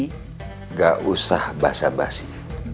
nggak usah basah basi